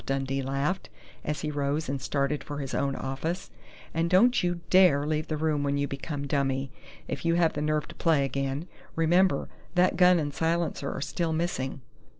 Dundee laughed, as he rose and started for his own office. "And don't you dare leave the room when you become dummy, if you have the nerve to play again! Remember, that gun and silencer are still missing!"